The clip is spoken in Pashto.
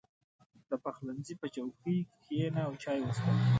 • د پخلنځي په چوکۍ کښېنه او چای وڅښه.